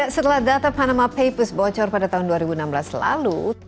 setelah data panama papers bocor pada tahun dua ribu enam belas lalu